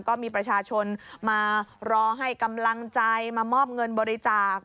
ก็มีประชาชนมารอให้กำลังใจมามอบเงินบริจาค